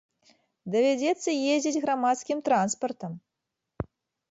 Давядзецца ездзіць грамадскім транспартам.